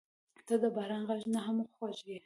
• ته د باران غږ نه هم خوږه یې.